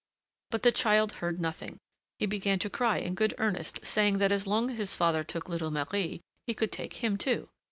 But the child heard nothing. He began to cry in good earnest, saying that as long as his father took little Marie, he could take him too.